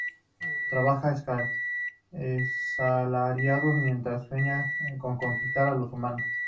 Trabaja asalariado mientras sueña con conquistar a los humanos.